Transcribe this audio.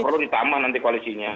kalau perlu ditambah nanti kualisinya